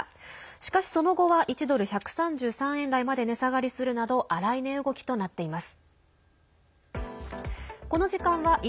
しかし、その後は１ドル＝１３３円台まで値下がりするなど荒い値動きとなっています。